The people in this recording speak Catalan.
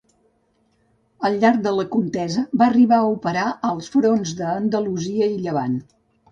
Al llarg de la contesa va arribar a operar als fronts d'Andalusia i Llevant.